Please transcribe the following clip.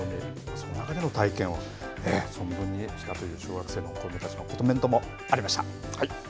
それだけの体験を存分にした小学生の子どもたちのコメントもありました。